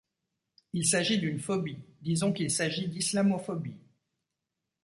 S'il s'agit d'une phobie, disons qu'il s'agit d'islamophobie.